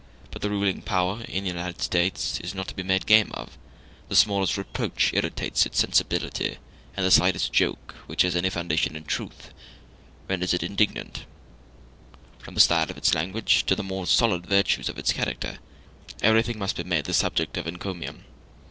But the ruling power in the United States is not to be made game of; the smallest reproach irritates its sensibility, and the slightest joke which has any foundation in truth renders it indignant; from the style of its language to the more solid virtues of its character, everything must be made the subject of encomium.